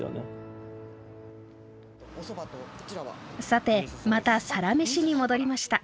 さてまた「サラメシ」に戻りました。